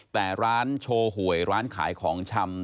แต่ร้านโชว์หวยร้านขายของชำ